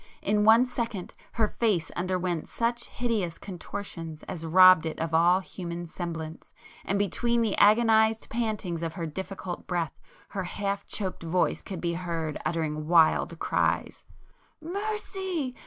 In one second her face underwent such hideous contortions as robbed it of all human semblance, and between the agonized pantings of her difficult breath, her half choked voice could be heard uttering wild cries— "Mercy!